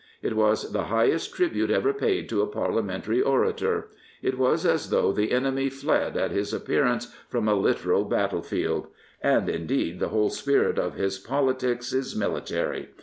It was the highest tribute ever paid to a Parliamentary orator. It was as though the enemy fled at his appearance from a literal battle field. And, indeed, the whole spirit of his politics is military.